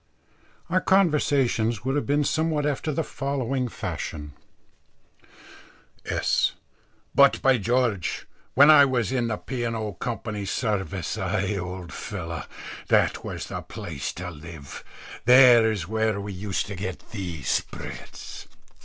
Our conversation would have been somewhat after the following fashion: S. "But, by George, when I was in the P. & O. Co.'s Service ay, old fellows, that was the place to live there is where we used to get the spreads."